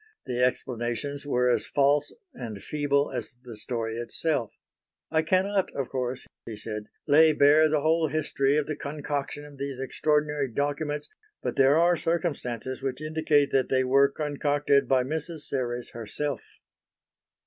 The explanations were as false and feeble as the story itself. "I cannot of course," he said, "lay bare the whole history of the concoction of these extraordinary documents, but there are circumstances which indicate that they were concocted by Mrs. Serres herself."